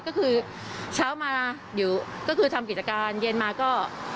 ก็คือเช้ามาอยู่ก็คือทำกิจการเย็นมาก็